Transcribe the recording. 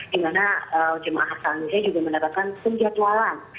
di mana jemaah haji juga mendapatkan penjatualan